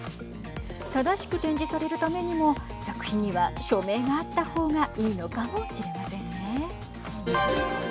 正しく展示されるためにも作品には署名があった方がいいのかもしれませんね。